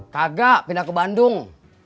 kagak pindah ke bandung